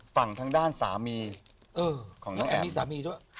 ฝั่งทางด้านสามีของน้องแอ๋ม